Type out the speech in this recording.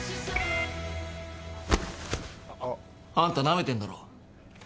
あんた、なめてんだろ！